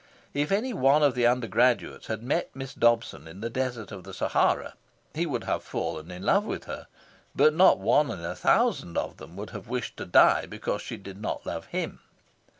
If any one of the undergraduates had met Miss Dobson in the desert of Sahara, he would have fallen in love with her; but not one in a thousand of them would have wished to die because she did not love him.